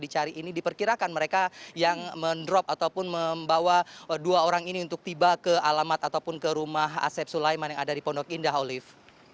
jadi cari ini diperkirakan mereka yang mendrop ataupun membawa dua orang ini untuk tiba ke alamat ataupun ke rumah asep sulaiman yang ada di pondok indah olive